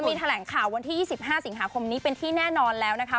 มีแถลงข่าววันที่๒๕สิงหาคมนี้เป็นที่แน่นอนแล้วนะคะ